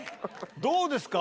どうですか？